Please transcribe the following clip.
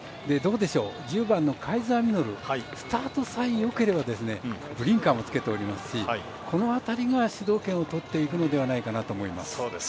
１０番のカイザーミノルスタートさえよければブリンカーも着けておりますしこの辺りが主導権を取っていくのではないかなと思います。